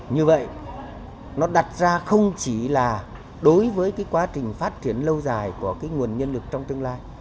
như vậy nó đặt ra không chỉ là đối với cái quá trình phát triển lâu dài của nguồn nhân lực trong tương lai